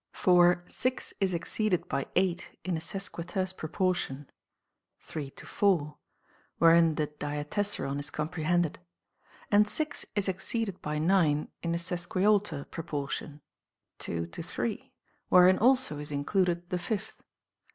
For six is exceeded by eight in a sesquiterce proportion (3 : 4), wherein the diatessaron is comprehended. And six is exceeded by nine in a sesquialter proportion (2 : 3), wherein also is included the fifth.